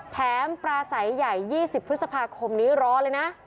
ปลาใสใหญ่๒๐พฤษภาคมนี้รอเลยนะ